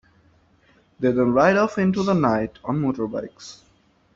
They then ride off into the night on motorbikes.